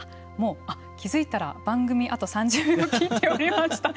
気付いたら、番組あと３０秒を切っておりました。